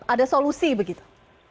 ada solusi begitu